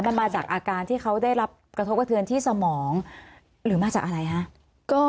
มันมาจากอาการที่เขาได้รับกระทบกระเทือนที่สมองหรือมาจากอะไรคะ